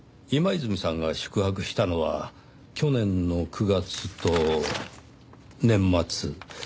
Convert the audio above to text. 今泉さんが宿泊したのは去年の９月と年末。